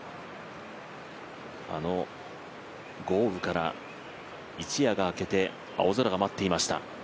あの豪雨から一夜が明けて青空が待っていました。